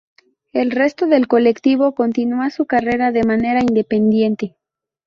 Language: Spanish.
El resto del colectivo continúa su carrera de manera independiente.